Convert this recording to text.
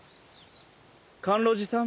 甘露寺さん。